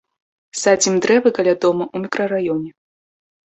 Садзім дрэвы каля дома ў мікрараёне.